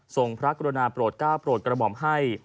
พระกรุณาโปรดก้าวโปรดกระหม่อมให้